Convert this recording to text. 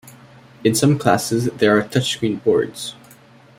In some classes, there are touchscreen boards.